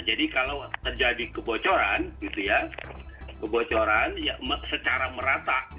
jadi kalau terjadi kebocoran kebocoran secara merata